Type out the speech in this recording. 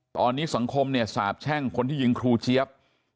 ตอนนี้สังคมเนี่ยสาบแช่งคนที่ยิงครูเจี๊ยบ